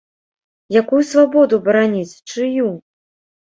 Якую свабоду бараніць, чыю?